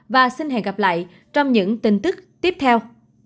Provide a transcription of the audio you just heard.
và xin hẹn gặp lại trong những tin tức tiếp theo